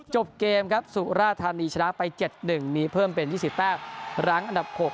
จบเกมครับสุราธานีชนะไป๗๑มีเพิ่มเป็น๒๐แต้มรั้งอันดับ๖